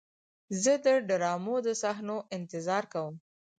زه د ډرامو د صحنو انتظار کوم.